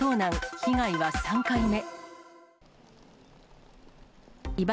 被害は３回目。